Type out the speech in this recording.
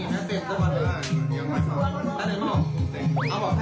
นี่ตอนนี้แม่เต้นต้องมาดู